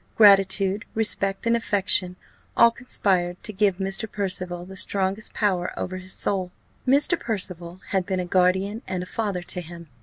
Gratitude, respect, and affection, all conspired to give Mr. Percival the strongest power over his soul. Mr. Percival had been a guardian and a father to him.